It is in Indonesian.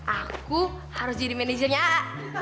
aku harus jadi manajernya